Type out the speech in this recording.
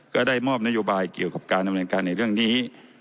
ก็ได้มอบนโยบายเกี่ยวกับการดำเนินการในเรื่องนี้